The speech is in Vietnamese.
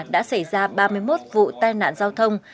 đã xảy ra ba mươi một vụ tai nạn giao thông